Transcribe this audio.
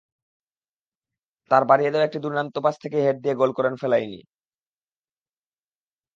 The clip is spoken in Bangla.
তাঁর বাড়িয়ে দেওয়া একটি দুর্দান্ত পাস থেকেই হেড দিয়ে গোল করেন ফেলাইনি।